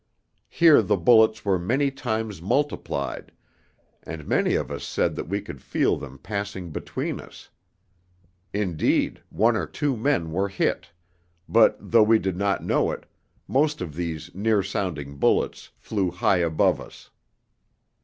Here the bullets were many times multiplied, and many of us said that we could feel them passing between us. Indeed, one or two men were hit, but though we did not know it, most of these near sounding bullets flew high above us.